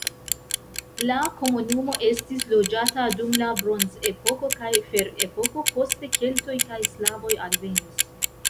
La komunumo estis loĝata dum la bronzepoko kaj ferepoko, poste keltoj kaj slavoj alvenis.